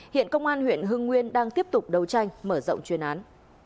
hiện công an huyện hưng nguyên đang tiếp tục đấu tranh mở rộng chuyên án